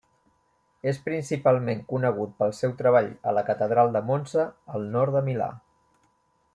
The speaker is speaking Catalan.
És principalment conegut pel seu treball a la catedral de Monza al nord de Milà.